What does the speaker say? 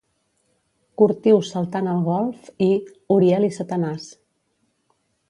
"Curtius saltant al golf" i "Uriel i Satanàs".